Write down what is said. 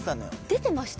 出てました！？